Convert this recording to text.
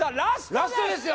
ラストですよ